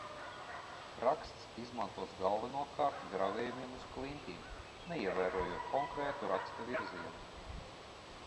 Raksts izmantots galvenokārt gravējumiem uz klintīm, neievērojot konkrētu raksta virzienu.